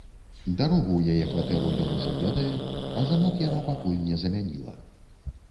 Дарогу ў яе кватэру ён ужо ведае, а замок яна пакуль не замяніла.